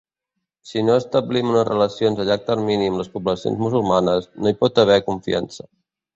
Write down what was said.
Si no establim unes relacions a llarg termini amb les poblacions musulmanes, no hi pot haver confiança.